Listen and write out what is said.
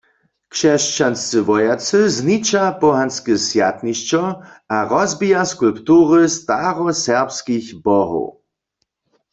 Křesćanscy wojacy zniča pohanske swjatnišćo a rozbija skulptury staroserbskich bohow.